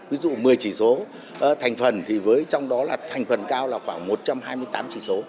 ví dụ một mươi chỉ số thành phần thì với trong đó là thành phần cao là khoảng một trăm hai mươi tám chỉ số